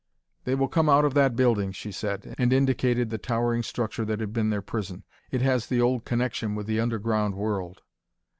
"They will come out of that building," she said, and indicated the towering structure that had been their prison. "It has the old connection with the underground world."